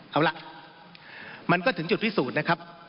เอาล่ะมันก็ถึงจุดพิสูจน์นะครับ